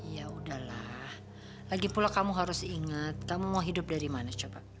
ya udahlah lagi pula kamu harus ingat kamu mau hidup dari mana coba